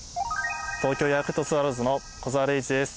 東京ヤクルトスワローズの小澤怜史です。